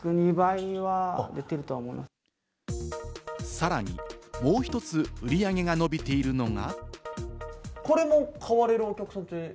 さらにもう１つ売り上げが伸びているのが。